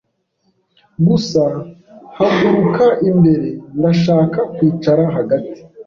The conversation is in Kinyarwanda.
Gusa haguruka imbere ndashaka kwicara hagati